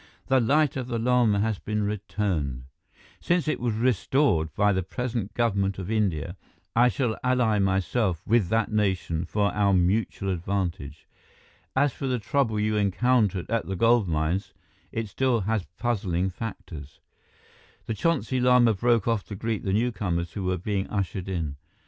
"The Light of the Lama has been returned. Since it was restored by the present government of India, I shall ally myself with that nation for our mutual advantage. As for the trouble you encountered at the gold mines, it still has puzzling factors " The Chonsi Lama broke off to greet the newcomers who were being ushered in.